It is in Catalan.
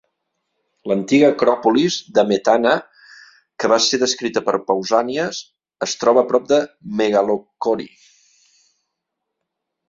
L'antiga Acròpolis de Metana, que va ser descrita per Pausànies, es troba a prop de Megalochori.